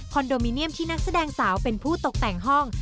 โดมิเนียมที่นักแสดงสาวเป็นผู้ตกแต่งห้อง